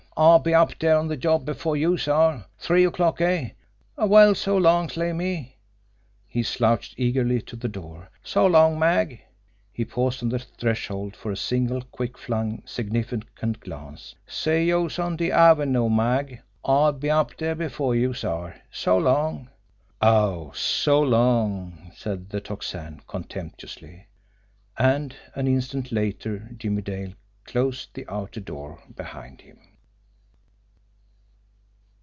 I'll be up dere on de job before youse are. Three o'clock, eh? Well, so long, Slimmy" he slouched eagerly to the door. "So long, Mag" he paused on the threshold for a single, quick flung, significant glance. "See youse on de avenoo, Mag I'll be up dere before youse are. So long!" "Oh, so long!" said the Tocsin contemptuously. And, an instant later, Jimmie Dale closed the outer door behind him.